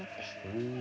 へえ。